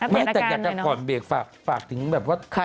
ไม่แต่อยากจะก่อนเบรกฝากถึงแบบว่า